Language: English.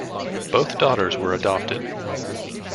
Both daughters were adopted.